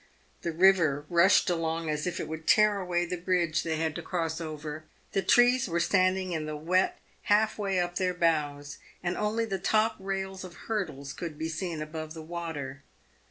The river rushed along as if it would tear away the bridge they had to cross over ; the trees were standing in the wet half way up their boughs, and only the top rails of hurdles could be seen above the water.